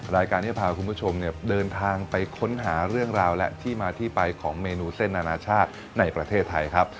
รายการที่จะพาคุณผู้ชมเนี่ยเดินทางไปค้นหาเรื่องราวและที่มาที่ไปของเมนูเส้นอนาชาติในประเทศไทยครับ